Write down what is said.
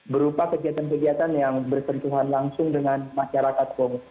berupa kegiatan kegiatan yang bersentuhan langsung dengan masyarakat umum